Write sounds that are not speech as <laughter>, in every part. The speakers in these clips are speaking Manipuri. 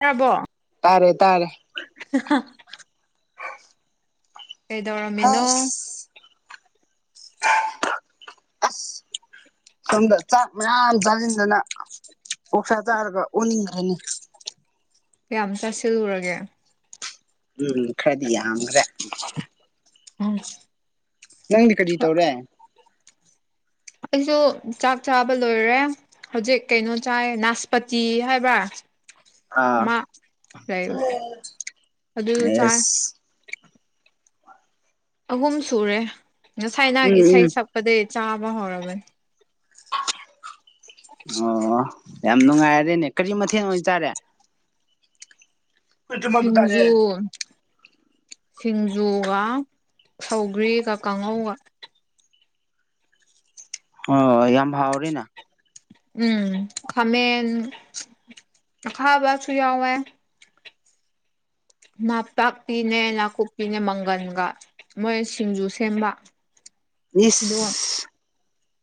ꯇꯥꯕꯣ ꯇꯥꯔꯦ ꯇꯥꯔꯦ <inaudible> ꯀꯩꯗꯧꯔꯝꯃꯤꯅꯣ ꯍꯁ ꯑꯁ ꯁꯣꯝꯗ ꯆꯥꯛ ꯃꯌꯥꯝ ꯆꯥꯁꯤꯟꯗꯅ ꯑꯣꯛꯁꯥ ꯆꯥꯔꯒ ꯑꯣꯟꯅꯤꯡꯈ꯭ꯔꯦꯅꯦ ꯀꯌꯥꯝ ꯆꯥꯁꯤꯟꯂꯨꯔꯒꯦ ꯎꯝ ꯈꯔꯗꯤ ꯌꯥꯝꯈ꯭ꯔꯦ <unintelligible> ꯅꯪꯗꯤ ꯀꯔꯤ ꯇꯧꯔꯦ ꯑꯩꯖꯨ ꯆꯥꯛ ꯆꯥꯕ ꯂꯣꯏꯔꯦ ꯍꯧꯖꯤꯛ ꯀꯩꯅꯣ ꯆꯥꯏꯌꯦ ꯅꯥꯁꯄꯇꯤ ꯍꯥꯏꯕ꯭ꯔꯥ ꯑꯥ ꯑꯃꯥ ꯀꯩ ꯑꯗꯨ ꯆꯥꯏ ꯑꯦꯁ ꯑꯍꯨꯝ ꯁꯨꯔꯦ ꯉꯁꯥꯏ ꯅꯪ ꯎꯝ ꯏꯁꯩ ꯎꯝ ꯁꯛꯄꯗꯒꯤ ꯆꯥꯕ ꯍꯧꯔꯕꯅꯤ ꯑꯣ ꯑꫭ ꯌꯥꯝ ꯅꯨꯡꯉꯥꯏꯔꯦꯅꯦ ꯀꯔꯤ ꯃꯊꯦꯜ ꯑꯣꯏꯅ ꯆꯥꯔꯦ ꯁꯤꯡꯖꯨ ꯁꯤꯡꯖꯨꯒ ꯁꯧꯒ꯭ꯔꯤꯒ ꯀꯥꯡꯉꯧꯒ ꯑꯣ ꯌꯥꯝ ꯍꯥꯎꯔꯦꯅ ꯎꯝ ꯈꯥꯃꯦꯟ ꯑꯈꯥꯕꯁꯨ ꯌꯥꯎꯋꯦ ꯅꯥꯄꯥꯛꯄꯤꯅꯦ ꯅꯥꯀꯨꯞꯄꯤꯅꯦ ꯃꯪꯒꯟꯒ ꯃꯣꯏ ꯁꯤꯡꯖꯨ ꯁꯦꯝꯕ ꯏꯁ ꯑꯗꯨꯒ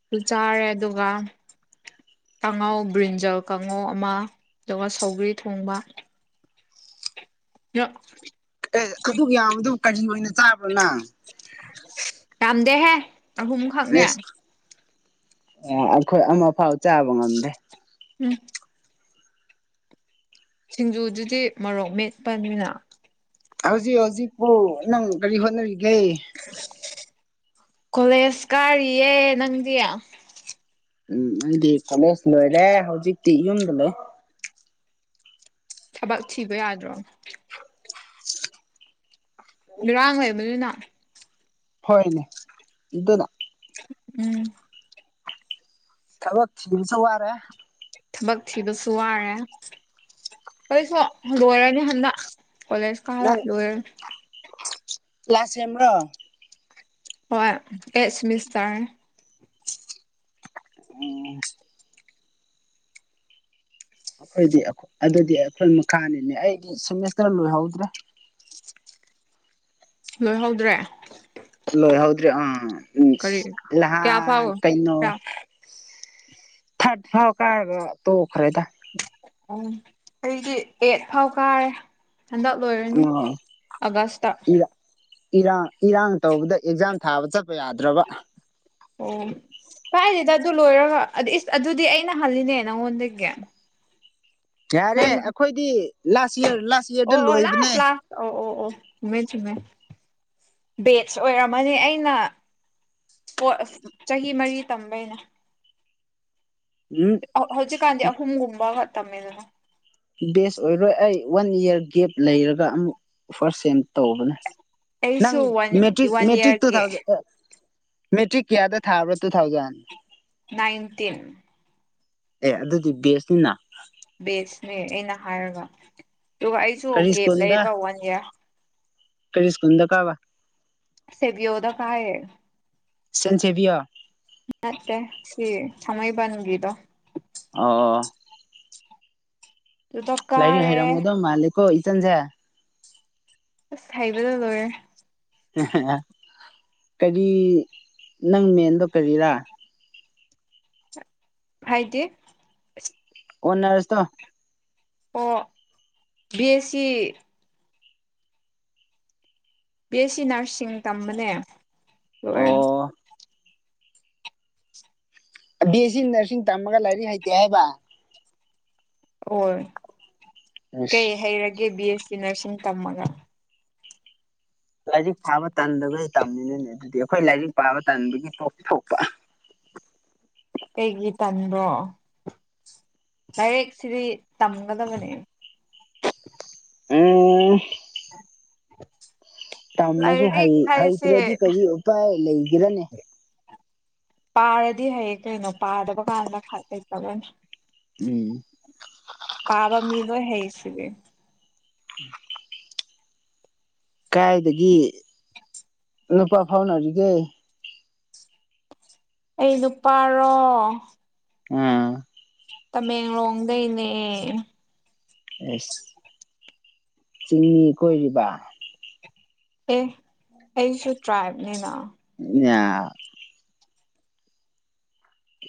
ꯑꯗꯨꯨ ꯆꯥꯔꯦ ꯑꯗꯨꯒ ꯀꯥꯡꯉꯧ ꯕ꯭ꯔꯤꯟꯖꯜ ꯀꯥꯡꯉꯧ ꯑꯃ ꯑꯗꯨꯒ ꯁꯧꯒ꯭ꯔꯤ ꯊꯣꯡꯕ ꯌꯥ ꯑꯦ ꯑꯗꯨꯛ ꯌꯥꯝꯕꯗꯨ ꯀꯔꯤ ꯑꯣꯏꯅ ꯆꯥꯕ꯭ꯔꯅꯪ ꯌꯥꯝꯗꯦꯍꯦ ꯑꯍꯨꯝꯈꯛꯅꯦ ꯑ ꯑꯩꯈꯣꯏ ꯑꯃ ꯐꯥꯎ ꯆꯥꯕ ꯉꯝꯗꯦ ꯎꯝ ꯁꯤꯡꯖꯨꯗꯨꯗꯤ ꯃꯣꯔꯣꯛ ꯃꯦꯠꯄꯅꯤꯅ ꯍꯧꯖꯤꯛ ꯍꯧꯖꯤꯛꯄꯨ ꯅꯪ ꯀꯔꯤ ꯍꯣꯠꯅꯔꯤꯒꯦ ꯀꯣꯂꯦꯖ ꯀꯥꯔꯤꯌꯦ ꯅꯪꯗꯤ ꯎꯝ ꯑꯩꯗꯤ ꯀꯣꯂꯦꯖ ꯂꯣꯏꯔꯦ ꯍꯧꯖꯤꯛꯇꯤ ꯌꯨꯝꯗ ꯂꯩ ꯊꯕꯛ ꯊꯤꯕ ꯌꯥꯗ꯭ꯔꯣ ꯅꯨꯔꯥꯡ ꯂꯩꯕꯅꯤꯅ ꯍꯣꯏꯅꯦ ꯑꯗꯨꯅ ꯎꯝ ꯊꯕꯛ ꯊꯤꯕꯁꯨ ꯋꯥꯔꯦ ꯊꯕꯛ ꯊꯤꯕꯁꯨ ꯋꯥꯔꯦ ꯑꯩꯁꯨ ꯂꯣꯏꯔꯅꯤ ꯍꯟꯗꯛ ꯀꯣꯂꯦꯖ ꯀꯥꯔ ꯂꯣꯏꯔꯅꯤ ꯀꯤꯌꯥ ꯁꯦꯝꯔꯣ ꯍꯣꯏ ꯑꯦꯠ ꯁꯤꯃꯤꯁꯇꯔꯅꯦ ꯎꯝ ꯑꯩꯈꯣꯏꯗꯤ ꯑꯗꯨꯗꯤ ꯑꯩꯈꯣꯏ ꯃꯈꯥꯅꯤꯅꯦ ꯑꯩꯗꯤ ꯁꯦꯃꯦꯁꯇꯔ ꯂꯣꯏꯍꯧꯗ꯭ꯔꯦ ꯂꯣꯏꯍꯧꯗ꯭ꯔꯦ ꯂꯣꯏꯍꯧꯗ꯭ꯔꯤ ꯑꯥ ꯎꯝ ꯀꯔꯤ ꯀꯌꯥ ꯐꯥꯎ ꯅꯍꯥꯟ ꯀꯩꯅꯣ ꯀꯌꯥ ꯊꯥꯔꯠ ꯐꯥꯎ ꯀꯥꯔꯒ ꯇꯣꯛꯈ꯭ꯔꯦꯗ ꯎꯝ ꯑꯩꯗꯤ ꯑꯦꯠ ꯐꯥꯎ ꯀꯥꯔꯦ ꯍꯟꯗꯛ ꯂꯣꯏꯔꯅꯤ ꯑꯣ ꯑꯒꯁꯇ ꯏꯔꯥꯡ ꯏꯔꯥꯡ ꯇꯧꯕꯗ ꯑꯦꯛꯖꯥꯝ ꯊꯥꯕ ꯆꯠꯄ ꯌꯥꯗ꯭ꯔꯕ ꯑꯣ ꯀꯥꯏꯗꯦꯗ ꯑꯗꯨ ꯂꯣꯏꯔꯒ ꯑꯗꯨꯗꯤ ꯑꯩꯅ ꯍꯜꯂꯤꯅꯦ ꯅꯪꯉꯣꯟꯗꯒꯤ ꯌꯥꯔꯦ ꯅꯪ ꯑꯩꯈꯣꯏꯗꯤ ꯂꯥꯁ ꯏꯔ ꯂꯥꯁ ꯑꯣ ꯏꯌꯥꯔꯗ ꯑꯣ ꯂꯣꯏꯕꯅꯦ ꯂꯥꯁ ꯂꯥꯁ ꯑꯣ ꯑꯣ ꯑꯣ ꯆꯨꯝꯃꯦ ꯆꯨꯝꯃꯦ ꯕꯦꯠꯁ ꯑꯣꯏꯔꯝꯃꯅꯤ ꯑꯩꯅ ꯍꫭꯏ ꯑꯁ ꯆꯍꯤ ꯃꯔꯤ ꯇꯝꯕꯩꯅꯦ ꯎꯝ ꯍꯧꯖꯤꯛ ꯀꯥꯟꯗꯤ ꯍꯨꯝꯒꯨꯝꯕꯒ ꯇꯝꯃꯦꯗꯅ ꯕꯦꯁ ꯑꯣꯏꯔꯣꯏ ꯑꯩ ꯋꯥꯟ ꯏꯌꯥꯔ ꯒꯦꯞ ꯂꯩꯔꯒ ꯑꯃꯨꯛ ꯐꯥꯔꯁ ꯁꯦꯝ ꯇꯧꯕꯅꯦ ꯅꯪ ꯑꯩꯁꯨ one metric one metric two ꯏꯌꯥꯔꯒꯤ ꯊꯥꯎꯖꯟ ꯃꯦꯇ꯭ꯔꯤꯛ ꯀꯌꯥꯗ ꯊꯥꯕꯔ ꯇꯨ ꯊꯥꯎꯖꯟ ꯅꯥꯏꯟꯇꯤꯟ ꯑꯦ ꯑꯗꯨꯗꯤ ꯕꯦꯁꯅꯤꯅ ꯕꯦꯁꯅꯦ ꯑꯩꯅ ꯍꯥꯏꯔꯒ ꯑꯗꯨꯒ ꯑꯩꯁꯨ ꯀꯔꯤ ꯒꯦꯞ ꯂꯩꯌꯦꯕ ꯋꯥꯟ ꯏꯌꯥꯔ꯫ ꯀꯩꯁꯀꯣꯟꯗ ꯀꯥꯕ꯫ ꯁꯦꯕꯤꯌꯣꯗ ꯀꯑꯌꯦ ꯁꯦꯟ ꯁꯦꯕꯤꯌꯣ ꯃꯠꯇꯦ ꯁꯤ ꯊꯃꯥꯏ ꯕꯟꯒꯤꯗꯣ꯫ ꯑꯣ ꯑꯗꯨꯗ ꯂꯥꯏꯔꯤꯛ ꯀꯥꯔꯦ ꯍꯩꯔꯝꯒꯗꯧ ꯃꯥꯜꯂꯦꯀꯣ ꯏꯆꯟꯁꯦ꯫ ꯍꯩꯏꯕꯗ ꯂꯣꯏꯔꯦ꯫ ꯀꯔꯤ ꯅꯪ ꯃꯦꯟꯗꯣ ꯀꯔꯤꯔꯥ꯫ ꯍꯥꯏꯗꯤ꯫ ꯀꯣꯟ ꯅꯁ ꯇꯣ ꯑꯣ B S C__ B S C nursing ꯇꯝꯕꯅꯦ ꯂꯣꯏꯔꯦ ꯫ ꯑꯣ ꯕꯤ ꯑꯦꯁ ꯁꯤ ꯅꯔꯁꯤꯡ ꯇꯝꯃꯒ ꯂꯥꯏꯔꯤꯛ ꯍꯩꯇꯦ ꯍꯥꯏꯕ꯫ ꯑꯣ ꯑꯁ ꯀꯩ ꯍꯩꯔꯒꯦ ꯕꯤ ꯑꯦꯁ ꯁꯤ ꯅꯔꯁꯤꯡ ꯇꯝꯃꯒ ꯂꯥꯏꯔꯤꯛ ꯄꯥꯕ ꯇꯟꯗꯒꯩ ꯇꯝꯃꯤꯅꯅꯦ ꯑꯗꯨꯗꯤ ꯑꯩꯈꯣꯏ ꯂꯥꯏꯔꯤꯛ ꯄꯥꯕ ꯇꯟꯕꯒꯤ ꯇꯣꯛꯊ ꯊꯣꯛꯄ꯫ ꯀꯩꯒꯤ ꯇꯟꯗꯣ ꯂꯥꯏꯔꯤꯛꯁꯤꯗꯤ ꯇꯝꯒꯗꯕꯅꯦ꯫ <unintelligible> <unintelligible> <inaudible> ꯇꯝꯅꯁꯨ ꯂꯥꯏꯔꯤꯛ ꯍꯥꯏꯁꯦ ꯍꯩꯇ꯭ꯔꯗꯤ ꯀꯔꯤ ꯎꯄꯥꯏ ꯂꯩꯒꯔꯅꯤ꯫ ꯄꯥꯔꯗꯤ ꯍꯌꯦ ꯀꯩꯅꯣ ꯄꯥꯗꯕ ꯀꯥꯟꯗ ꯈ ꯂꯩꯇꯕꯅꯤ ꯎꯝ ꯄꯕꯥ ꯃꯤꯂꯣꯏ ꯍꯩꯁꯤꯗꯤ꯫ ꯎꯝ ꯀꯥꯏꯗꯒꯤ ꯂꯨꯄꯥ ꯐꯥꯎꯅꯔꯤꯒꯦ ꯑꯩ ꯅꯨꯄꯥꯔꯣ ꯑꯥ ꯇꯃꯦꯡꯂꯣꯡꯗꯩꯅꯦ ꯑꯁ ꯆꯤꯡꯃꯤ ꯀꯣꯏꯔꯤꯕ ꯑꯦ ꯑꯩꯁꯨ ꯇ꯭ꯔꯥꯏꯕꯅꯤꯅ <unintelligible>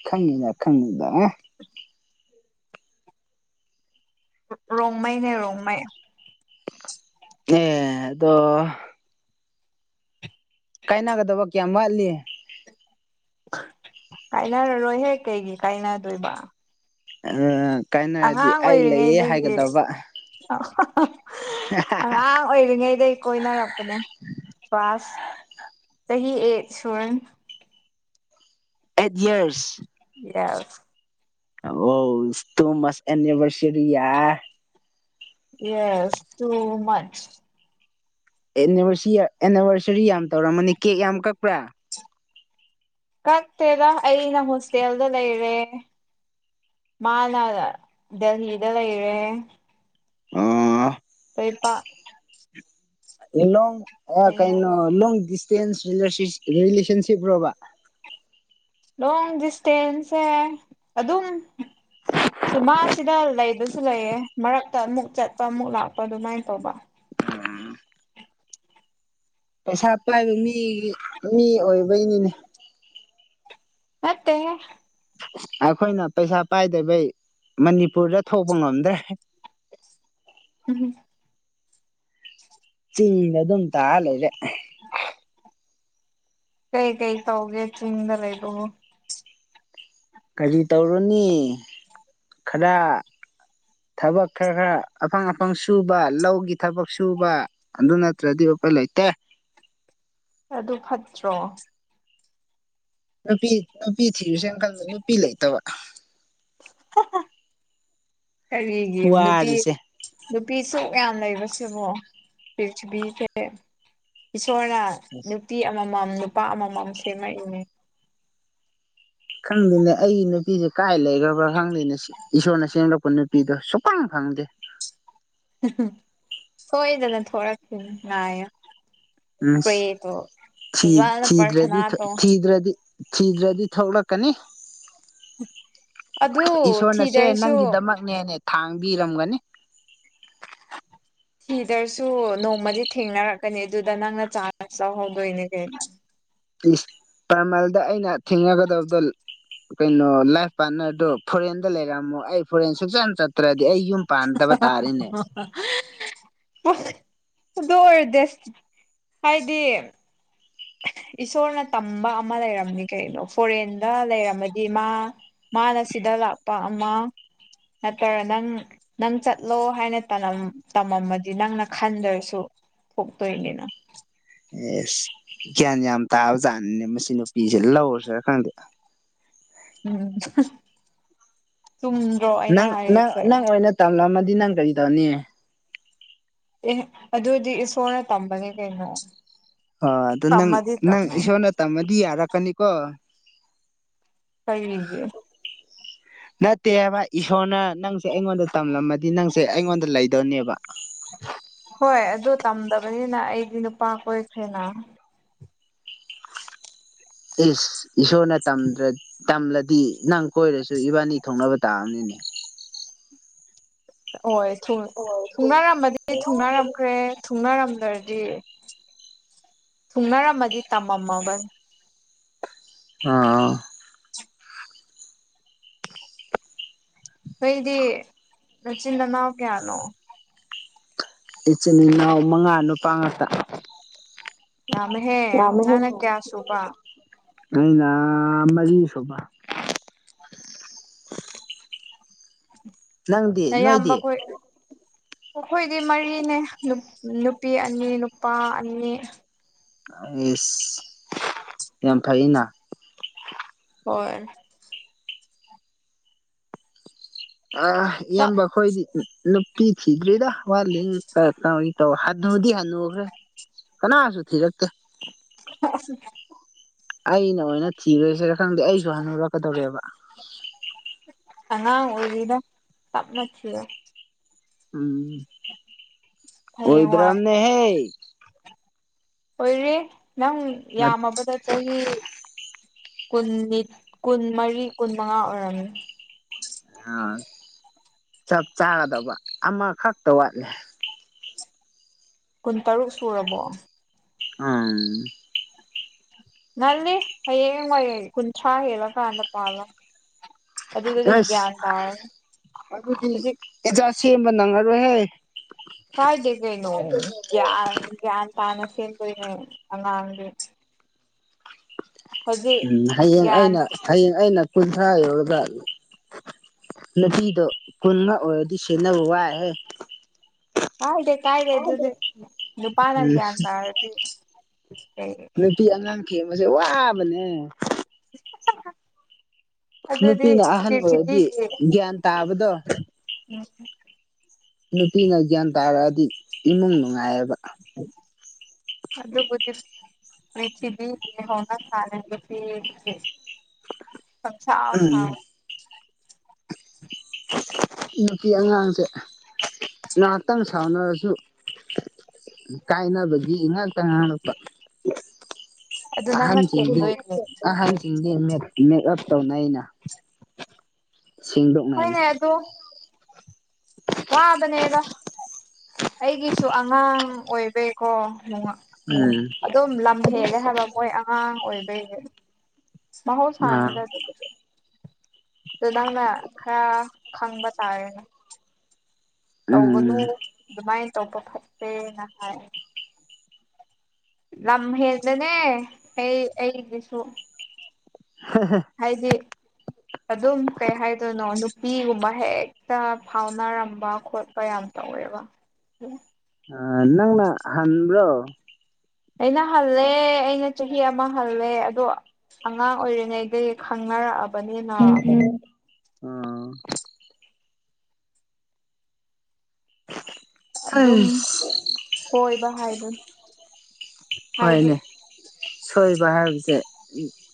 ꯈꯪꯉꯤꯗ ꯈꯪꯉꯤꯗ ꯔꯣꯡꯃꯩꯅꯦ ꯔꯣꯡꯃꯩ ꯑꯦ ꯑꯗꯣ ꯀꯥꯏꯅꯒꯗꯕ ꯀꯌꯥꯝ ꯋꯥꯠꯂꯤ ꯀꯥꯏꯅꯔꯔꯣꯏꯍꯦꯛ ꯀꯩꯒꯤ ꯀꯥꯏꯅꯗꯣꯏꯕ ꯀꯥꯏꯅꯔꯗꯤ ꯑꯉꯥꯡ ꯑꯩ ꯂꯩꯌꯦ ꯑꯣꯏꯔꯤꯉꯩꯗꯒꯤ ꯍꯥꯏꯒꯗꯕ <unintelligible> <unintelligible> ꯑꯉꯥꯡ ꯑꯣꯏꯔꯤꯉꯩꯗꯒꯤ ꯀꯣꯏꯅꯔꯛꯄꯅꯦ ꯀ꯭ꯂꯋꯥꯁ ꯆꯍꯤ ꯑꯦꯠ ꯁꯨꯔꯦꯟ ꯑꯩꯠ ꯏꯌꯥꯔꯁ ꯌꯥꯏ ꯍ ꯏ ꯇꯣꯃꯁ ꯑꯦꯅꯤꯕꯔꯁꯔꯤꯌꯥ ꯌꯦꯁ ꯇꯨ ꯃꯁ ꯚꯔ ꯑꯦꯅꯤꯚꯔꯁꯔꯤ ꯌꯥꯝ ꯇꯧꯔꯝꯃꯅꯤ ꯀꯦꯛ ꯌꯥꯝ ꯀꯛꯄ꯭ꯔꯥ ꯀꯛꯇꯦꯗ ꯑꯩꯅ ꯍꯣꯁꯇꯦꯜꯗ ꯂꯩꯔꯦ ꯃꯥꯅ ꯗꯦꯜꯍꯤꯗ ꯂꯩꯔꯦ ꯑꯥ ꯐꯔ ꯄ ꯂꯣꯡ ꯊꯦꯡꯅꯗꯦ ꯀꯩꯅꯣ ꯂꯣꯡ ꯗꯤꯁꯇꯦꯟꯁ ꯔꯤꯂꯦꯁꯟꯁꯤꯞ꯭ꯔꯣꯕ ꯂꯣꯡ ꯗꯤꯁꯇꯦꯟꯁꯦ ꯑꯗꯨꯝ ꯁꯤ ꯃꯥꯁꯤꯗ ꯂꯩꯗꯁꯨ ꯂꯩꯌꯦ ꯃꯔꯛꯇ ꯑꯃꯨꯛ ꯆꯠꯄ ꯑꯃꯨꯛ ꯂꯥꯛꯄ ꯑꯗꯨꯃꯥꯏꯅ ꯇꯧꯕ ꯄꯩꯁꯥ ꯄꯥꯏꯕ ꯃꯤꯒꯤ ꯃꯤ ꯑꯣꯏꯕꯩꯅꯤꯅꯦ ꯃꯠꯇꯦ ꯑꯩꯈꯣꯏꯅ ꯄꯩꯁꯥ ꯄꯥꯏꯗꯕꯩ ꯃꯅꯤꯄꯨꯔꯗ ꯊꯣꯛꯄ ꯉꯝꯗ꯭ꯔꯦ ꯎꯝ ꯆꯤꯡꯗ ꯑꯗꯨꯝ ꯇꯥ ꯂꯩꯔꯦ ꯀꯩ ꯀꯩ ꯇꯧꯒꯦ ꯆꯤꯡꯗ ꯂꯩ ꯑꯗꯨ ꯀꯔꯤ ꯇꯧꯔꯅꯤ ꯈꯔ ꯊꯕꯛ ꯈꯔ ꯈꯔ ꯑꯐꯪ ꯑꯐꯪ ꯁꯨꯕ ꯂꯧꯒꯤ ꯊꯕꯛ ꯁꯨꯕ ꯑꯗꯨꯟ ꯅꯠꯇꯗꯤꯕꯄꯂꯥꯏꯇ ꯑꯗꯨ ꯐꯠꯇ꯭ꯔꯣ ꯅꯨꯄꯤ ꯅꯨꯄꯤ ꯊꯤꯔꯨꯁꯦꯅ ꯈꯟꯕ ꯅꯨꯄꯤ ꯂꯩꯇꯕ ꯀꯔꯤꯒꯤ ꯅꯨꯄꯤ ꯋꯥꯔꯤꯁꯦ ꯅꯨꯄꯤ ꯁꯣꯛ ꯌꯥꯝ ꯂꯩꯕꯕꯁꯤꯕꯣ ꯄꯤꯔꯤꯛꯊꯤꯕꯤꯁꯦ ꯏꯁꯣꯔꯅ ꯅꯨꯄꯤ ꯑꯃꯃꯝ ꯅꯨꯄꯥ ꯑꯃꯃꯝ ꯁꯦꯝꯃꯛꯏꯅꯦ ꯈꯪꯗꯦꯅꯦ ꯑꯩ ꯅꯨꯄꯤꯁꯦ ꯀꯥꯏ ꯂꯩꯈ꯭ꯔꯕ꯭ꯔꯥ ꯈꯪꯗꯦꯅꯦ ꯁꯤ ꯏꯁꯣꯔꯅ ꯁꯦꯝꯡꯂꯛꯄ ꯅꯨꯄꯤꯗꯣ ꯁꯨꯈꯪ ꯈꯪꯗꯦ ꯁꯣꯏꯗꯅ ꯊꯣꯔꯛꯁꯤꯅꯤ ꯉꯥꯏꯌ ꯎꯝꯤ ꯐꯖꯅ ꯆꯤꯗ꯭ꯔꯗꯤ ꯄ꯭ꯔꯊꯅꯥ ꯇꯧ ꯆꯤꯗ꯭ꯔꯗꯤ ꯊꯤꯗ꯭ꯔꯗꯤ ꯊꯣꯛꯂꯛꯀꯅꯤ ꯑꯗꯨ ꯏꯁꯣꯔꯅꯁꯦ ꯊꯤꯗ꯭ꯔꯁꯨ ꯅꯪꯒꯤꯗꯃꯛꯅꯦꯅꯦ ꯊꯥꯡꯕꯤꯔꯝꯒꯅꯤ ꯍꯤꯗꯔꯁꯨ ꯅꯣꯡꯃꯗꯤ ꯊꯦꯡꯅꯔꯛꯀꯅꯤ ꯑꯗꯨꯗ ꯅꯪꯅ ꯆꯥꯟꯁ ꯂꯧꯍꯧꯗꯣꯏꯅꯦ ꯀꯣ ꯄꯁ ꯄꯔꯃꯜꯗ ꯑꯩꯅ ꯊꯦꯡꯅꯒꯗꯕꯗꯣ ꯀꯩꯅꯣ ꯂꯥꯏꯐ ꯄꯥꯔꯠꯅꯔꯗꯨꯣ ꯐꯣꯔꯦꯟꯗ ꯂꯩꯔꯛꯑꯝꯃꯣ ꯑꯩ ꯐꯣꯔꯦꯟ ꯁꯨꯡꯆꯅ ꯆꯠꯇ꯭ꯔꯗꯤ ꯑꯩ ꯌꯨꯝ ꯄꯥꯟꯗꯕ ꯇꯥꯔꯦꯅꯦ ꯑ ꯑꯗꯨ ꯑꯣꯏꯔꯗꯤ ꯍꯥꯏꯗꯤ ꯏꯁꯣꯔꯅ ꯇꯝꯕ ꯑꯃ ꯂꯩꯔꯝꯅꯤ ꯀꯩꯅꯣ ꯐꯣꯔꯦꯟꯗ ꯂꯩꯔꯝꯃꯗꯤ ꯃꯥ ꯃꯥꯅ ꯁꯤꯗ ꯂꯥꯛꯄ ꯑꯃ ꯅꯠꯇ꯭ꯔ ꯅꯪ ꯅꯪ ꯆꯠꯂꯣ ꯍꯥꯏꯅ ꯇꯝꯃꯝꯃꯗꯤ ꯅꯪꯅ ꯈꯟꯗ꯭ꯔꯁꯨ ꯊꯣꯛꯇꯣꯏꯅꯤꯅ ꯑꯦꯁ ꯒ꯭ꯌꯥꯟ ꯌꯥꯝ ꯇꯥꯕ ꯖꯥꯠꯅꯅꯦ ꯃꯁꯤ ꯅꯨꯄꯤꯁꯦ ꯂꯧꯔꯨꯁꯤꯔꯥ ꯈꯪꯗꯦ ꯎꯝ ꯆꯨꯝꯗ꯭ꯔꯣ ꯑꯩꯅ ꯅꯪ ꯅꯪ ꯍꯥꯏꯔꯤꯁꯦ ꯅꯪ ꯑꯣꯏꯅ ꯇꯝꯂꯝꯃꯗꯤ ꯅꯪ ꯀꯔꯤ ꯇꯧꯅꯤ ꯑꯦ ꯑꯗꯨꯗꯤ ꯑꯦ ꯁꯣꯔꯅ ꯇꯝꯕꯅꯤ ꯀꯩꯅꯩꯅꯣ ꯑꯣ ꯑꯗꯨ ꯅꯪ ꯅꯪ ꯏꯁꯣꯔꯅ ꯇꯝꯃꯗꯤ ꯌꯥꯔꯛꯀꯅꯤꯀꯣ ꯀꯔꯤꯒꯤ ꯅꯠꯇꯦꯕ ꯏꯁꯣꯔꯅ ꯅꯪꯁꯦ ꯑꯩꯉꯣꯟꯗ ꯇꯝꯂꯝꯃꯗꯤ ꯅꯪꯁꯦ ꯑꯩꯉꯣꯟꯗ ꯂꯩꯗꯧꯅꯦꯕ ꯍꯣꯏ ꯑꯗꯨ ꯇꯝꯗꯕꯅꯤꯅ ꯑꯩꯗꯤ ꯅꯨꯄꯥ ꯀꯣꯏꯈꯔꯦꯅ ꯏꯁ ꯏꯁꯣꯔꯅ ꯇꯝꯗꯔ꯭ ꯇꯝꯂꯗꯤ ꯅꯪ ꯀꯣꯏꯔꯁꯨ ꯏꯕꯥꯅꯤ ꯊꯨꯡꯅꯕ ꯇꯥꯕꯅꯤꯅꯦ ꯑꯣꯏ ꯊꯨꯡ ꯊꯨꯡꯅꯥꯔꯝꯃꯗꯤ ꯊꯨꯡꯅꯥꯔꯝꯈ꯭ꯔꯦ ꯊꯨꯡꯅꯔꯝꯗ꯭ꯔꯗꯤ ꯊꯨꯡꯅꯔꯝꯃꯗꯤ ꯇꯝꯃꯝꯃꯕꯅꯤ ꯑꯥ ꯅꯣꯏꯗꯤ ꯅꯆꯤꯟ ꯅꯅꯥꯎ ꯀꯌꯥꯅꯣ ꯏꯆꯤꯟ ꯏꯅꯥꯎ ꯃꯉꯥ ꯅꯨꯄꯥ ꯉꯥꯛꯇ ꯌꯥꯝꯃꯦꯍꯦ ꯅꯪꯅ ꯀꯌꯥ ꯁꯨꯕ ꯑꯩꯅ ꯃꯔꯤ ꯁꯨꯕ ꯅꯪꯗꯤ ꯅꯌꯥꯝꯕ ꯅꯣꯏꯗꯤ ꯈꯣꯏ ꯑꯈꯣꯏꯗꯤ ꯃꯔꯤꯅꯦ ꯅꯨꯄꯤ ꯑꯅꯤ ꯅꯨꯄꯥ ꯑꯅꯤ ꯑꯦꯁ ꯌꯥꯝ ꯐꯩꯅ ꯍꯣꯏ ꯑꯥ ꯆꯞ ꯏꯌꯥꯝꯕꯈꯣꯏꯗꯤ ꯅꯨꯞ ꯄꯤ ꯊꯤꯗꯔ꯭ꯤꯗ ꯋꯥꯠꯂꯤ <unintelligible> ꯍꯅꯨꯗꯤ ꯍꯅꯨꯒꯔ꯭ꯦ ꯀꯅꯥꯁꯨ ꯊꯤꯔꯛꯇꯦ <unintelligible> ꯑꯩꯅ ꯑꯣꯏꯅ ꯊꯤꯔꯁꯤꯔ ꯈꯪꯗꯦ ꯑꯩꯁꯨ ꯍꯥꯅꯨꯔꯛꯀꯗꯧꯔꯦꯕ ꯑꯉꯥꯡ ꯑꯣꯏꯔꯤꯗ ꯇꯞꯅ ꯊꯤꯌꯨ ꯎꯝ ꯍꯌꯦꯡꯋꯥꯏ ꯑꯣꯏꯗ꯭ꯔꯝꯅꯦꯍꯦ ꯑꯣꯏꯔꯦ ꯅꯪ ꯌꯥꯝꯃꯕꯗ ꯆꯍꯤ ꯀꯨꯟꯅꯤꯠ ꯀꯨꯟꯃꯔꯤ ꯀꯨꯟꯃꯉꯥ ꯑꯣꯏꯔꯝꯃꯤ ꯑꯥ ꯆꯞ ꯆꯥꯒꯗꯕ ꯑꯃꯈꯛꯇ ꯋꯥꯠꯂꯦ ꯀꯨꯟꯇꯔꯨꯛ ꯁꯨꯔꯕꯣ ꯑꯝ ꯉꯜꯂꯤ ꯍꯌꯦꯡ ꯋꯥꯏ ꯀꯨꯟꯊ꯭ꯔꯥ ꯍꯦꯜꯂ ꯀꯥꯟꯗ ꯄꯥꯜꯂꯣ ꯑꯗꯨꯗꯗꯤ ꯑꯁ ꯒꯌ꯭ꯥꯟ ꯇꯥꯔꯅꯤ ꯑꯗꯨꯗꯤ ꯍꯨꯖꯤꯛ ꯑꯦꯖꯥ ꯁꯦꯝꯕ ꯅꯪꯉꯔꯣꯏꯍꯦ ꯀꯥꯏꯗꯦ ꯀꯩꯅꯣ ꯒ꯭ꯌꯥꯟ ꯒ꯭ꯌꯥꯟ ꯇꯥꯅ ꯁꯦꯝꯗꯣꯏꯅꯦ ꯑꯉꯥꯡꯗꯤ ꯍꯧꯖꯤꯛ ꯎꯝ ꯍꯌꯦꯡ ꯒ꯭ꯌꯥꯟ ꯑꯩꯅ ꯍꯌꯦꯡ ꯑꯩꯅ ꯀꯨꯟꯊ꯭ꯔꯥ ꯌꯧꯔꯒ ꯅꯄꯤꯗꯣ ꯀꯨꯟꯅ ꯑꯣꯏꯔꯗꯤ ꯁꯦꯟꯅꯕ ꯋꯥꯏꯍꯦ ꯀꯥꯏꯗꯦ ꯀꯥꯏꯗꯦ ꯑꯗꯨꯗꯤ ꯅꯨꯄꯥꯅ ꯎꯝ ꯒꯌ꯭ꯥꯟ ꯇꯥꯔꯗꯤ ꯄꯤ ꯑꯉꯥꯡ ꯊꯦꯝꯕꯁꯦ ꯋꯥꯕꯅꯦ ꯑꯗꯨꯗꯤ ꯅꯨꯄꯤꯅ ꯑꯍꯟ ꯑꯣꯏꯔꯗꯤ ꯄꯤꯔꯊꯤꯕꯤꯒꯤ ꯒ꯭ꯌꯥꯟ ꯇꯥꯕꯗꯣ ꯎꯝ ꯅꯨꯄꯤꯅ ꯒ꯭ꯌꯥꯟ ꯇꯥꯔꯛꯑꯗꯤ ꯏꯃꯨꯡ ꯅꯨꯡꯉꯥꯏꯌꯦꯕ ꯑꯗꯨꯕꯨꯗꯤ ꯄ꯭ꯔꯤꯊꯤꯕꯤ <unintelligible> ꯄꯪꯁꯥꯎ ꯁꯥꯎꯋꯦ ꯅꯨꯄꯤ ꯑꯉꯥꯡꯁꯦ ꯉꯥꯍꯥꯛꯇꯪ ꯁꯥꯎꯅꯔꯁꯨ ꯀꯥꯏꯅꯕꯒꯤ ꯉꯥꯍꯛꯇ ꯉꯥꯡꯂꯛꯄ ꯑꯗꯨ ꯅꯪꯅ ꯑꯍꯟꯁꯤꯡꯗꯤ ꯊꯦꯝꯗꯣꯏꯅꯦ ꯑꯍꯟ <unintelligible> ꯃꯦꯛꯑꯞ ꯇꯧꯅꯩꯅ ꯁꯦꯡꯗꯣꯛꯅꯩꯅ ꯍꯣꯏꯅꯦ ꯑꯗꯣ <inaudible> ꯋꯥꯕꯅꯦꯗ ꯑꯩꯒꯤꯁꯨ ꯑꯉꯥꯡ ꯑꯣꯏꯕꯩꯀꯣ ꯅꯨꯡꯉ ꯎꯝ ꯑꯗꯨꯝ ꯂꯝ ꯍꯦꯜꯂꯦ ꯍꯥꯏꯕ ꯃꯣꯏ ꯑꯉꯥꯡ ꯑꯣꯏꯕꯩꯅꯦ ꯑ ꯃꯍꯧꯁꯥꯅꯗꯗꯤ ꯗꯣ ꯅꯪꯅ ꯈꯔ ꯈꯪꯕ ꯇꯥꯔꯦꯅꯦ ꯇꯧꯕꯅꯨ ꯎꯝ ꯑꯗꯨꯃꯥꯏꯅ ꯇꯧꯕ ꯐꯠꯇꯦꯅ ꯍꯥꯏ ꯅꯝ ꯍꯗꯅꯦ ꯍꯁꯨꯨ ꯍ ꯍ ꯍꯥꯏꯗꯤ ꯑꯗꯨꯝ ꯀꯩ ꯍꯥꯏꯗꯣꯏꯅꯣ ꯅꯨꯄꯤꯒꯨꯝꯕ ꯍꯦꯛꯇ ꯐꯥꯎꯅꯔꯝꯕ ꯈꯣꯠ ꯀꯌꯥꯝ ꯇꯧꯋꯦꯕ ꯅꯪꯅ ꯍꯟꯕ꯭ꯔꯣ ꯑꯩꯅ ꯍꯜꯂꯦ ꯑꯩꯅ ꯆꯍꯤ ꯑꯃ ꯍꯜꯂꯦ ꯑꯗꯣ ꯑꯉꯥꯡ ꯑꯣꯏꯔꯤꯉꯩꯗꯒꯤ ꯈꯪꯅꯔꯛꯑꯕꯅꯤꯅ ꯑ ꯑꯗꯨꯝ ꯑꯁ ꯍꯣꯏꯕ ꯍꯥꯏꯗꯨ ꯍꯥꯏꯗꯤ ꯍꯣꯏꯅꯦ ꯁꯣꯏꯕ ꯍꯥꯏꯕꯁꯦ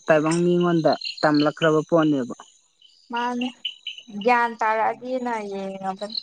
ꯇꯥꯏꯕꯪ ꯃꯤꯉꯣꯟꯗ ꯇꯝꯂꯛꯈ꯭ꯔꯕ ꯄꯣꯠꯅꯦꯕ ꯃꯥꯅꯦ ꯒ꯭ꯌꯥꯟ ꯇꯥꯔꯛꯑꯗꯤꯅ ꯌꯦꯡꯉꯒꯅꯤ